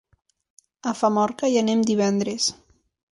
A Famorca hi anem divendres.